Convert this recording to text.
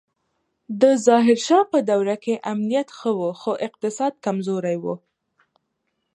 د ظاهر شاه په دوره کې امنیت ښه و خو اقتصاد کمزوری و